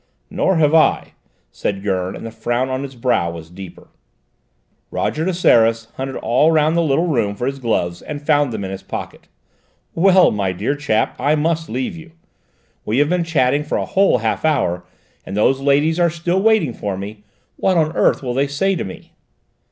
"Nor have I," said Gurn, and the frown on his brow was deeper. Roger de Seras hunted all round the little room for his gloves and found them in his pocket. "Well, my dear chap, I must leave you. We have been chatting for a whole half hour, and those ladies are still waiting for me. What on earth will they say to me?"